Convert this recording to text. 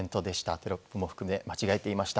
テロップも含め間違えていました。